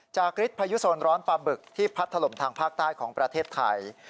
ฤทธิพายุโซนร้อนปลาบึกที่พัดถล่มทางภาคใต้ของประเทศไทย